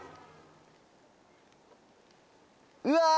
うわ！